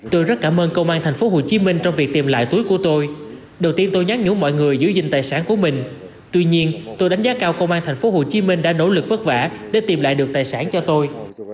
tôi rất cảm ơn công an tp hcm trong việc tìm lại túi của tôi đầu tiên tôi nhắn nhủ mọi người giữ gìn tài sản của mình tuy nhiên tôi đánh giá cao công an tp hcm đã nỗ lực vất vả để tìm lại được tài sản cho tôi